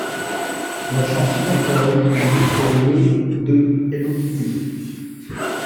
La chanson est alors utilisée pour le de Hello Kitty.